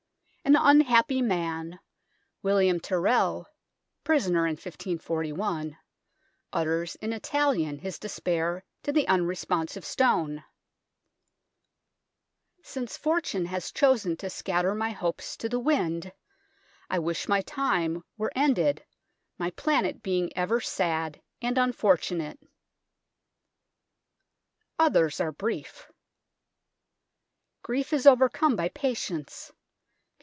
An unhappy man, William Tyrrell, prisoner in 1541, utters in Italian his despair to the unresponsive stone :" Since fortune has chosen to scatter my hopes to the wind, I wish my time were ended, my planet being ever sad and unfortunate." Others are brief. " Grief is overcome by patience.